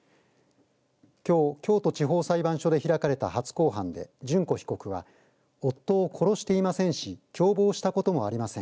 きょう京都地方裁判所で開かれた初公判で淳子被告は夫を殺していませんし共謀したこともありません